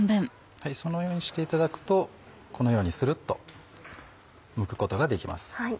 そのようにしていただくとこのようにするっとむくことができます。